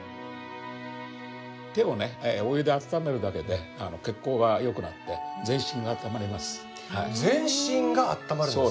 手をねお湯で温めるだけで血行が良くなって全身があったまります。